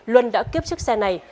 luân đã kiếp chiếc xe này